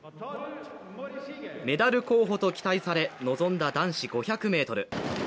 メダル候補と期待され臨んだ男子５００ｍ。